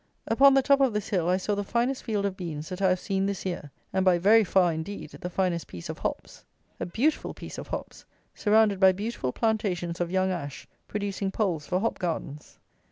Upon the top of this hill, I saw the finest field of beans that I have seen this year, and, by very far, indeed, the finest piece of hops. A beautiful piece of hops, surrounded by beautiful plantations of young ash, producing poles for hop gardens.